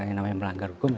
yang namanya melanggar hukum